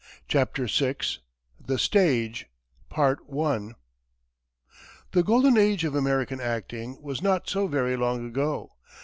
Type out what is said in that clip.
CHAPTER VI THE STAGE The golden age of American acting was not so very long ago.